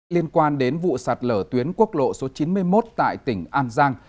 liên quan đến vụ sạt lở tuyến quốc lộ số chín mươi một tại tỉnh an giang